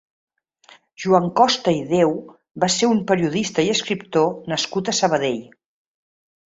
Joan Costa i Deu va ser un periodista i escriptor nascut a Sabadell.